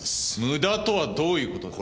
無駄とはどういう事だ？